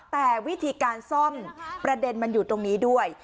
แต่วิธีการซ่อมประเด็นมันอยู่ตรงนี้ด้วย